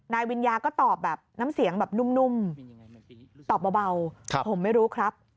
วิญญาก็ตอบแบบน้ำเสียงแบบนุ่มตอบเบาผมไม่รู้ครับ